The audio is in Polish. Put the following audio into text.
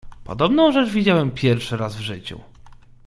"Podobną rzecz widziałem pierwszy raz w życiu!"